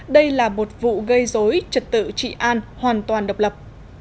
đây là một vụ gây dối trật tự trị an hoàn toàn độc lập